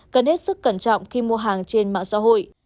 cần hết sức cẩn trọng khi mua hàng trên mạng xã hội